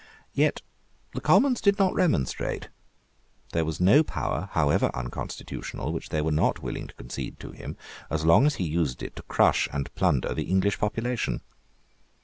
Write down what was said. Yet the Commons did not remonstrate. There was no power, however unconstitutional, which they were not willing to concede to him, as long as he used it to crush and plunder the English population.